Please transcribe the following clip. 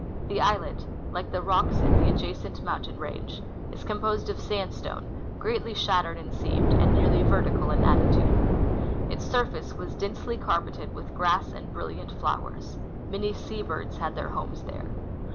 The islet, like the rocks in the adjacent mountain range, is composed of sandstone, greatly shattered and seamed, and nearly vertical in attitude. Its surface was densely carpeted with grass and brilliant fiowers. Many sea birds had their homes there.